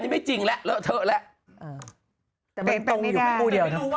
ไปไหนแล้ว